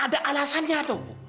ada alasannya tuh bu